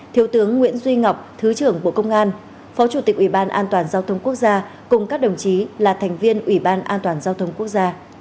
thượng tướng nguyễn duy ngọc thứ trưởng bộ công an phó chủ tịch ubndgqg cùng các đồng chí là thành viên ubndgqg